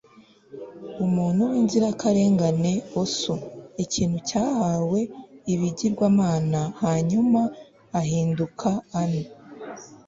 umuntu winzirakarengane osu, ikintu cyahawe ibigirwamana, hanyuma ahinduka an